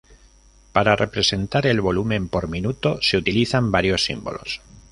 Para representar el volumen por minuto se utilizan varios símbolos.